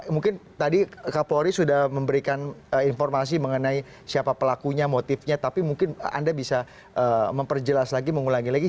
mungkin tadi kapolri sudah memberikan informasi mengenai siapa pelakunya motifnya tapi mungkin anda bisa memperjelas lagi mengulangi lagi